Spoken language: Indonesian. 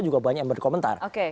juga banyak yang berkomentar